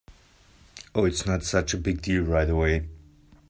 Oh, it’s not such a big deal right away.